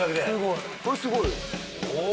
これすごい。